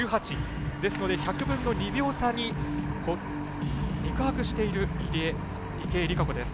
ですので１００分の２秒差に肉薄している池江璃花子です。